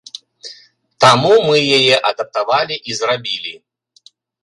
Таму мы яе адаптавалі і зрабілі.